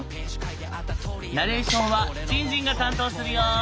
ナレーションはじんじんが担当するよ！